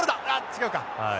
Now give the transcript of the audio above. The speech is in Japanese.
違うか。